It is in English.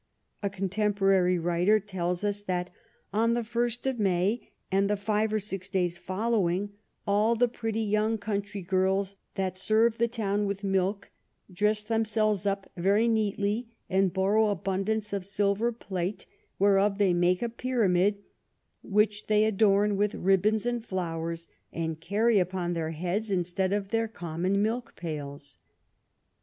A contemporary writer tells us that " On the 1st of May, and the five or six Days following, all the pretty young Country girls that serve the Town with Milk, dress themselves up very neatly, and borrow abundance of Silver Plate whereof they make a Pyramid, which they adorn with Ribands and Flowers and carry upon their Heads instead of their common Milk Pails."